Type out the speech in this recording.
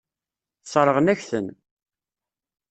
Sseṛɣen-ak-ten.